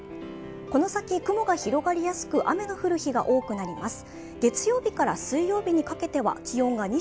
この先雲が広がりやすく、雨の降る日が多くなります。